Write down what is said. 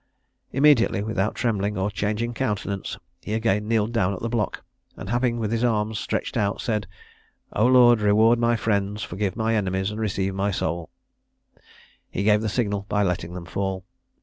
Immediately, without trembling or changing countenance, he again kneeled down at the block, and having, with his arms stretched out, said, "O Lord, reward my friends, forgive my enemies, and receive my soul," he gave the signal by letting them fall.